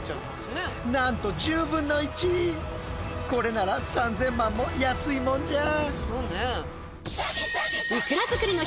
これなら３，０００万も安いもんじゃ。